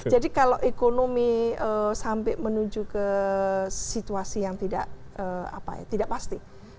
jadi kalau ekonomi sampai menuju ke situasi yang tidak pasti